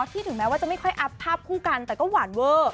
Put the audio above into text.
ถึงแม้ว่าจะไม่ค่อยอัพภาพคู่กันแต่ก็หวานเวอร์